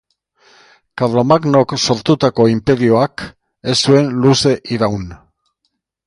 Karlomagnok sortutako inperioak ez zuen luze iraun.